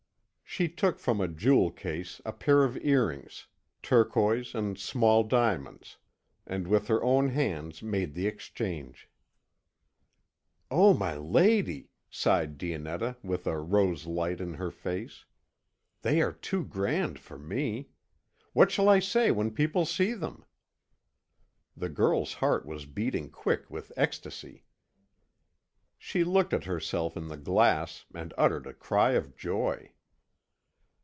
She took from a jewel case a pair of earrings, turquoise and small diamonds, and with her own hands made the exchange. "Oh, my lady," sighed Dionetta with a rose light in her face. "They are too grand for me! What shall I say when people see them?" The girl's heart was beating quick with ecstasy. She looked at herself in the glass, and uttered a cry of joy.